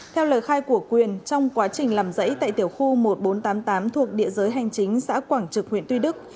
theo lời khai của quyền trong quá trình làm dãy tại tiểu khu một nghìn bốn trăm tám mươi tám thuộc địa giới hành chính xã quảng trực huyện tuy đức